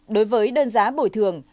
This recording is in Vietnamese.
đối với đơn giá bồi thường